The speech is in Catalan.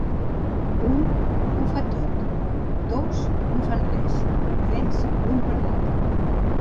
Un, ho fa tot; dos, no fan res; tres, l'un per l'altre.